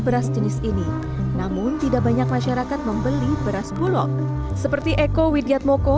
beras jenis ini namun tidak banyak masyarakat membeli beras bulog seperti eko widiatmoko